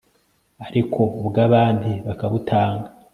ariko ubw'abandi bakabutanga